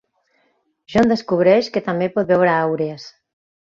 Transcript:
Jon descobreix que també pot veure aures.